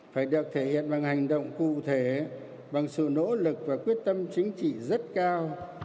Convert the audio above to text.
phải được thể hiện bằng hành động cụ thể bằng sự nỗ lực và quyết tâm chính trị rất cao